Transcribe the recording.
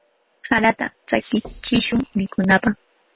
harata tsakichishun mikunapaq.